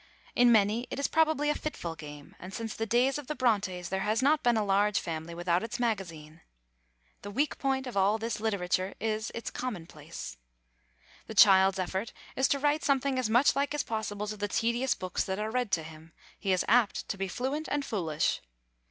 In many it is probably a fitful game, and since the days of the Brontes there has not been a large family without its magazine. The weak point of all this literature is its commonplace. The child's effort is to write something as much like as possible to the tedious books that are read to him; he is apt to be fluent and foolish.